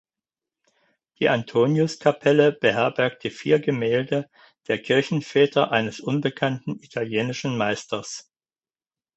Die Antoniuskapelle beherbergte vier Gemälde der Kirchenväter eines unbekannten italienischen Meisters.